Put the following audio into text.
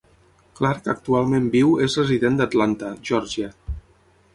Clark actualment viu és resident d'Atlanta, Georgia.